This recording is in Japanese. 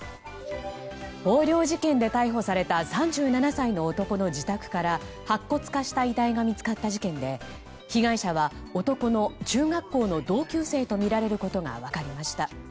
横領事件で逮捕された３７歳の男の自宅から白骨化した遺体が見つかった事件で被害者は男の中学校の同級生とみられることが分かりました。